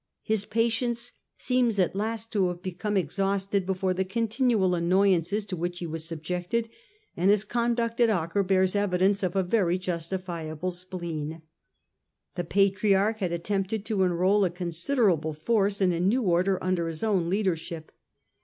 His patience seems at last to have become exhausted before the continual annoyances to which he was subjected, and his conduct at Acre bears evidence of a very justifiable spleen. The Patriarch had attempted to enrol a considerable force in a new Order under his own leadership.